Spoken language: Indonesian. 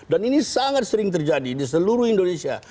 dan ini sangat sering terjadi di seluruh indonesia